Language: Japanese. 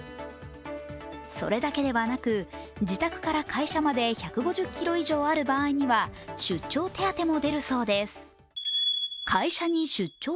それだけではなく自宅から会社まで１５０ｋｍ以上ある場合には出張手当も出るそうです。